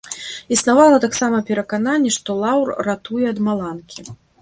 Існавала таксама перакананне, што лаўр ратуе ад маланкі.